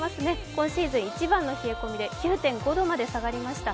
今シーズン一番の冷え込みで９．５度まで冷え込みました。